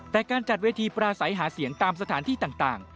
แต่การจัดเวทีปราศัยหาเสียงตามสถานที่ต่าง